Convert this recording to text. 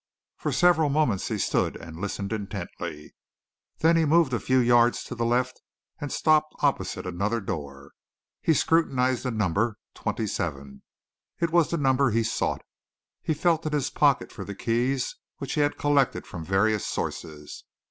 For several moments he stood and listened intently. Then he moved a few yards to the left, and stopped opposite another door. He scrutinized the number, 27. It was the number he sought. He felt in his pocket for the keys which he had collected from various sources.